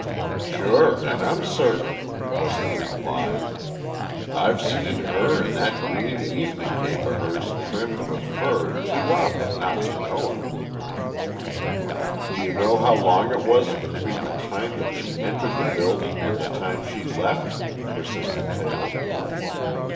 "Shure an' I'm certain," was the reply. "I've seen her and that green evening cape of hers trimmed with fur too often not to know her." "Do you know how long it was between the time that she entered the building and the time she left?" persisted Taylor.